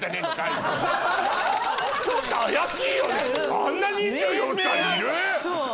あんな２４歳いる？